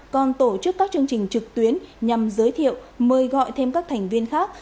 còn tổ chức các chương trình trực tuyến nhằm giới thiệu mời gọi thêm các thành viên khác